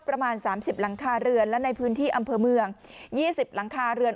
ประมาณ๓๐หลังคาเรือนและในพื้นที่อำเภอเมือง๒๐หลังคาเรือน